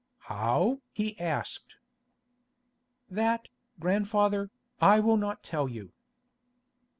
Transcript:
"How?" he asked. "That, grandfather, I will not tell you."